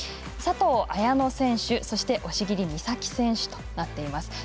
佐藤綾乃選手、そして押切美沙紀選手となっています。